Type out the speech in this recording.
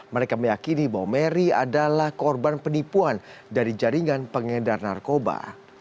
mereka meyakini bahwa mary adalah korban penipuan dari jaringan pengedar narkoba